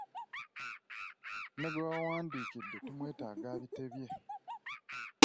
Ne gwe wawandiikidde naye tumwetaaga abitebye.